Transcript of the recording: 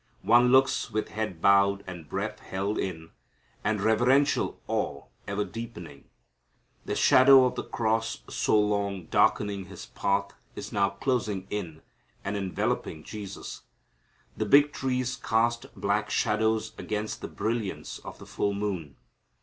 One looks with head bowed and breath held in, and reverential awe ever deepening. The shadow of the cross so long darkening His path is now closing in and enveloping Jesus. The big trees cast black shadows against the brilliance of the full moon.